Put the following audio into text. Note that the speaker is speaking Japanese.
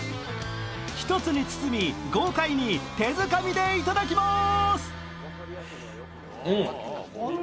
１つに包み豪快に手づかみで頂きます。